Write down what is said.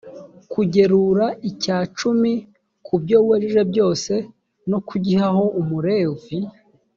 kugerura icya cumi ku byo wejeje byose no kugihaho umulevi,